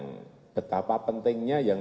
oke terus mana lagi